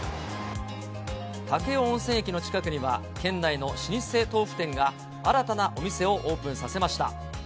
武雄温泉駅の近くには、県内の老舗豆腐店が新たなお店をオープンさせました。